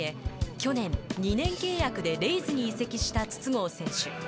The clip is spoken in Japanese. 去年、２年契約でレイズに移籍した筒香選手。